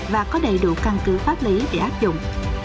và có đầy đủ căn cứ pháp lý để áp dụng